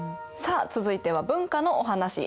さあ続いては文化のお話！